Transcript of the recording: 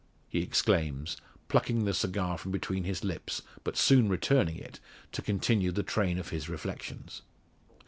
he exclaims, plucking the cigar from between his lips, but soon returning it, to continue the train of his reflections.